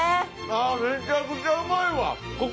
ああめちゃくちゃうまいわ。